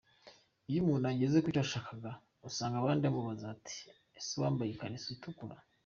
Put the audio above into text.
Iyo umuntu ageze ku cyo yashakaga, usanga abandi bamubaza bati “Ese wambaye ikariso itukura?”.